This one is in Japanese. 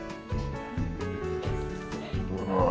うまい。